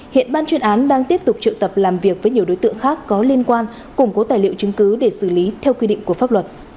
hiện ban chuyên án đang tiếp tục triệu tập làm việc với nhiều đối tượng khác có liên quan củng cố tài liệu chứng cứ để xử lý theo quy định của pháp luật